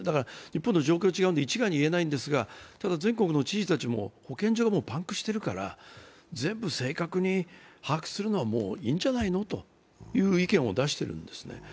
日本とは状況が違うので一概には言えないんですけど、ただ全国の知事たちも保健所がもうパンクしてるから全部正確に把握するのは、もういいんじゃないのという意見を出しているんですね。